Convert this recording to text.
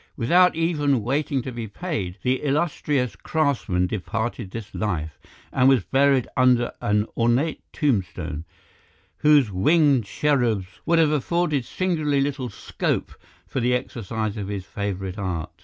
Without even waiting to be paid, the illustrious craftsman departed this life, and was buried under an ornate tombstone, whose winged cherubs would have afforded singularly little scope for the exercise of his favourite art.